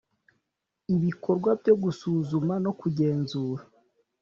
ibikorwa byo gusuzuma no kugenzura